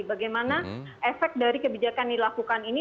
bagaimana efek dari kebijakan dilakukan ini